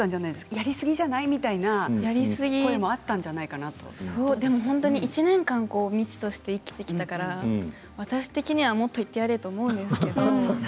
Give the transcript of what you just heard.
やりすぎじゃない？みたいな１年間未知として生きてきたから、私的にはもっと言ってやれと思うんですけど。